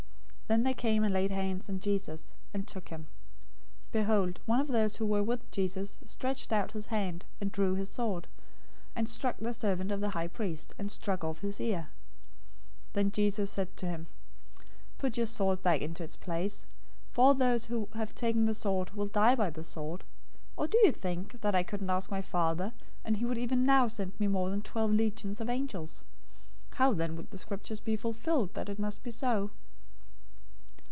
Then they came and laid hands on Jesus, and took him. 026:051 Behold, one of those who were with Jesus stretched out his hand, and drew his sword, and struck the servant of the high priest, and struck off his ear. 026:052 Then Jesus said to him, "Put your sword back into its place, for all those who take the sword will die by the sword. 026:053 Or do you think that I couldn't ask my Father, and he would even now send me more than twelve legions of angels? 026:054 How then would the Scriptures be fulfilled that it must be so?"